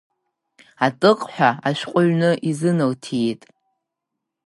Атыҟҳәа ашәҟәы ҩны изыналҭиит.